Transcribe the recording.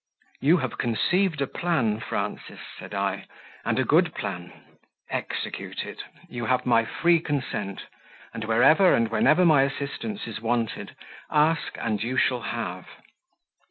"You have conceived a plan, Frances," said I, "and a good plan; execute it; you have my free consent, and wherever and whenever my assistance is wanted, ask and you shall have."